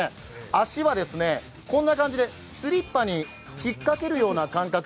足はこんな感じで、スリッパに引っかけるような感覚。